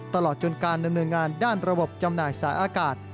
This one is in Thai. ตลอดจนการดำเนินงานด้านระบบจำหน่ายสายอากาศ